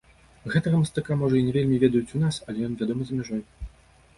Гэтага мастака можа і не вельмі ведаюць у нас, але ён вядомы за мяжой.